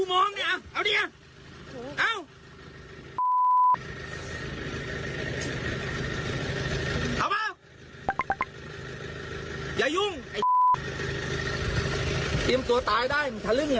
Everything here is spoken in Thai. เตรียมตัวตายได้สลึงเนี่ย